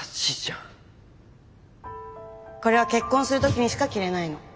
これは結婚する時にしか着れないの。